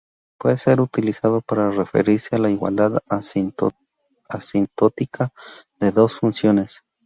Puede ser utilizado para referirse a la igualdad asintótica de dos funciones.